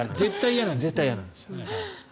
絶対嫌なんです。